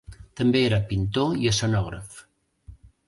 També era pintor i escenògraf.